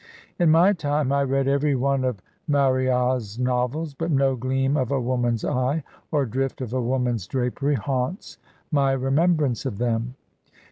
In my time I read every one of Mar ryat's novels, but no gleam of a woman's eye, or drift of a woman's drapery haimts my remembrance of them.